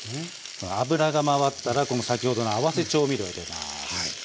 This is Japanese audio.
脂が回ったらこの先ほどの合わせ調味料を入れます。